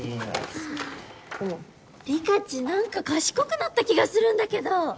はぁリカチ何か賢くなった気がするんだけど。